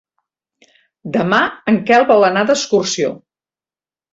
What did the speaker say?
Demà en Quel vol anar d'excursió.